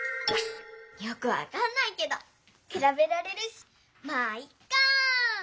よくわかんないけどくらべられるしまぁいっか！